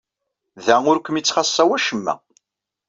Da ur kem-yettxaṣṣa wacemma.